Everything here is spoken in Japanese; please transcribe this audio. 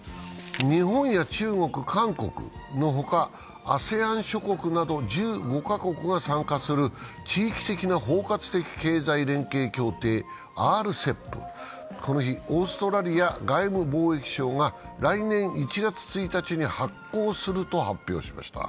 日本や中国、韓国の他、ＡＳＥＡＮ諸国など１５カ国が参加する地域的な包括的経済連携協定ＲＣＥＰ、この日、オーストラリア外務貿易省が来年１月１日に発効すると発表しました。